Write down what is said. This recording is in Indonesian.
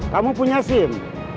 kamu punya sim